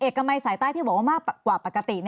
เอกมัยสายใต้ที่บอกว่ามากกว่าปกติ